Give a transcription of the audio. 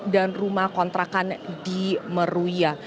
dan rumah kontrakan di meruya